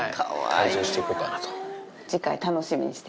改造していこうかなと思って。